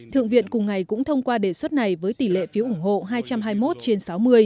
thượng viện cùng ngày cũng thông qua đề xuất này với tỷ lệ phiếu ủng hộ hai trăm hai mươi một trên sáu mươi